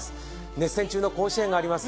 熱戦中の甲子園があります